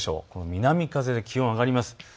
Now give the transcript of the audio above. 南風で気温が上がります。